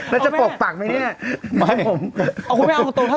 แล้วจะปกปักมั้ยเนี่ย